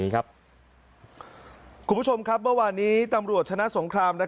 คุณผู้ชมครับเมื่อวานนี้ตำรวจชนะสงคราม